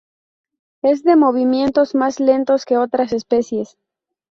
Es de movimientos más lentos que otras especies.